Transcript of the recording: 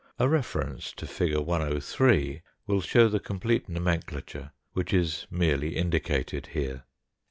A reference to fig. 103 will show the complete nomen clature, which is merely indicated here.